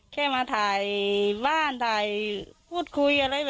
แค่มาถ่ายบ้านถ่ายพูดคุยอะไร